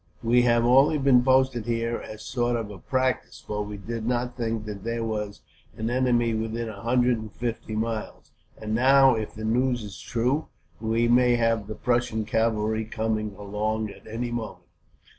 We have only been posted here as a sort of practice, for we did not think that there was an enemy within a hundred and fifty miles; and now, if the news is true, we may have the Prussian cavalry coming along at any moment.